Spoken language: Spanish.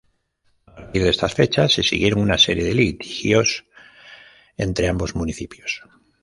A partir de estas fechas se siguieron una serie de litigios entre ambos municipios.